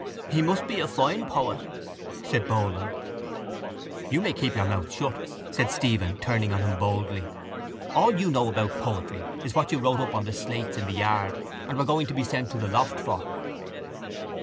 —He must be a fine poet! said Boland. —You may keep your mouth shut, said Stephen, turning on him boldly. All you know about poetry is what you wrote up on the slates in the yard and were going to be sent to the loft for.